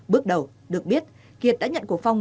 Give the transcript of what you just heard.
bước đầu được biết kiệt đã nhận của phong